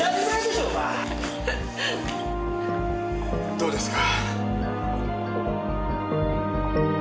どうですか？